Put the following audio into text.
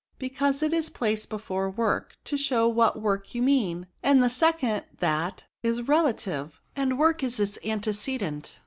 because it is placed before work, to show what work you mean ; and the second that is relative, and work is its antecedent.